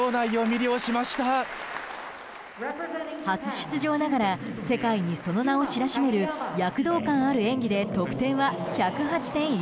初出場ながら世界にその名を知らしめる躍動感ある演技で得点は１０８．１２。